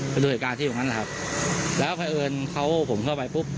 ไปดูเหตุการณ์ที่เหมือนกันนะครับแล้วไปเอิญเขาผมเข้าไปปุ๊บ